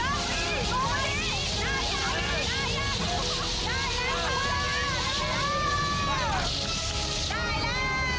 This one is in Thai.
ได้แล้ว